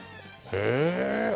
へえ。